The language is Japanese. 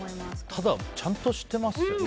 ただ、ちゃんとしてますよね。